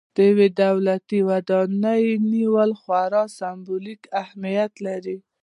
د یوې دولتي ودانۍ نیول خورا سمبولیک اهمیت لري.